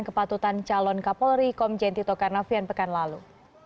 kepatutan calon kapolri komjen tito karnavian pekan lalu